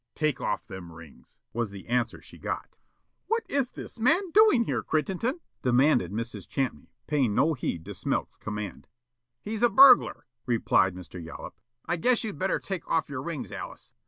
"Take off them rings," was the answer she got. "What is this man doing here, Crittenden?" demanded Mrs. Champney, paying no heed to Smilk's command. "He's a burglar," replied Mr. Yollop. "I guess you'd better take off your rings, Alice."